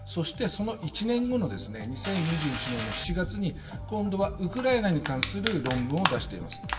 その１年後の２０２１年７月に今度はウクライナに関する論文を出しています。